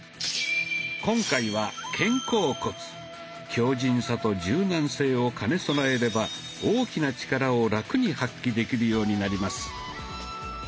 強じんさと柔軟性を兼ね備えれば大きな力をラクに発揮できるようになります。